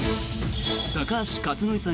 高橋克典さん